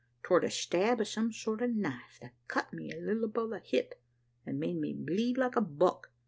'Twar the stab o' some sort o' a knife, that cut me a leetle above the hip, an' made me bleed like a buck.